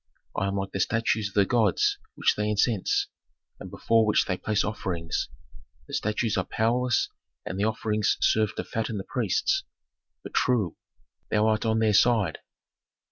I am like the statues of the gods which they incense, and before which they place offerings. The statues are powerless and the offerings serve to fatten the priests. But, true, thou art on their side."